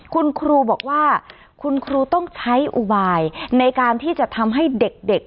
คุณครูบอกว่าคุณครูต้องใช้อุบายในการที่จะทำให้เด็ก